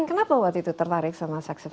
kenapa waktu itu tertarik sama seksi